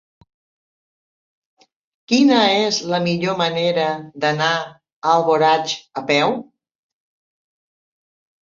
Quina és la millor manera d'anar a Alboraig a peu?